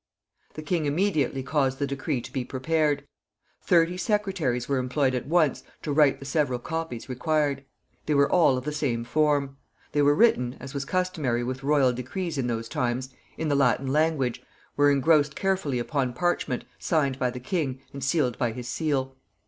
The king immediately caused the decree to be prepared. Thirty secretaries were employed at once to write the several copies required. They were all of the same form. They were written, as was customary with royal decrees in those times, in the Latin language, were engrossed carefully upon parchment, signed by the king, and sealed by his seal.